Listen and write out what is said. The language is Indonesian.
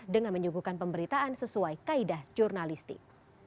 dengan menyuguhkan pemberitaan sesuai kaedah jurnalistik